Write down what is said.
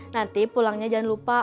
nanti pulangnya jangan lupa